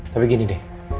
tapi gini deh